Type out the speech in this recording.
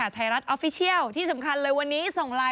ไทยรัฐออฟฟิเชียลที่สำคัญเลยวันนี้